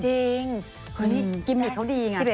จริงเฮ้ยกิมมิตเขาดี